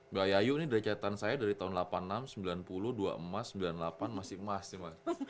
mbak yayu ini dari catatan saya dari tahun seribu sembilan ratus delapan puluh enam sembilan puluh dua emas sembilan puluh delapan masih emas nih mas